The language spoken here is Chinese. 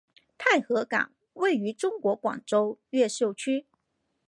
太和岗位于中国广州市越秀区。